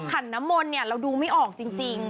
ขันน้ำมอนเราดูไม่ออกจริง